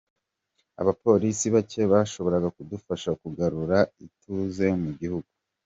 Abapolisi bake bashobora kudufasha kugarura ituze mu gihugu.